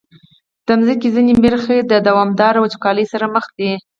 د مځکې ځینې برخې د دوامداره وچکالۍ سره مخ دي.